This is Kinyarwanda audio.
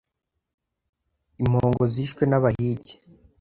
Impongo zishwe nabahigi.